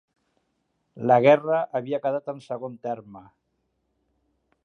La guerra havia quedat en segon terme